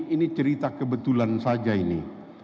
ini cerita kebetulan saja ini